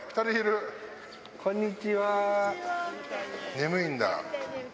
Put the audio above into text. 眠いんだ。